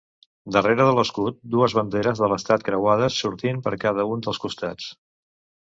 Darrere de l'escut dues banderes de l'estat creuades sortint per cada un dels costats.